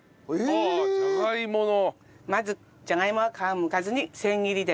まずじゃがいもは皮はむかずに千切りで。